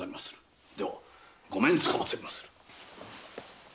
では御免つかまつりまする。